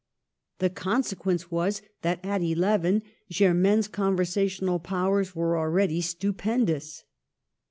The consequence was that at eleven Germaine's conversational powers were already stupendous.